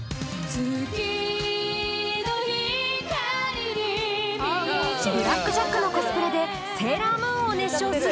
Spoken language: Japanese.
月の光に導かれブラック・ジャックのコスプレで「セーラームーン」を熱唱する